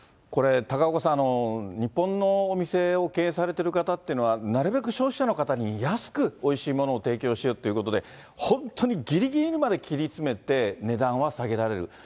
これ、高岡さん、日本のお店を経営されている方っていうのは、なるべく消費者の方に安くおいしいものを提供しようっていうことで、本当にぎりぎりにまで切り詰めて値段は下げられる。